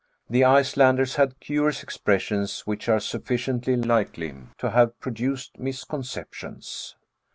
The Icelanders had curious expressions which are sufficiently likely to have produced misconceptions.